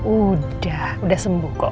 udah udah sembuh kok